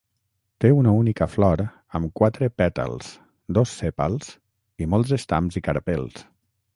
Té una única flor amb quatre pètals, dos sèpals i molts estams i carpels.